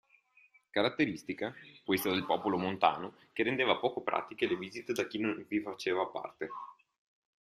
Caratteristica, questa del popolo montano, che rendeva poco pratiche le visite da chi non vi faceva parte.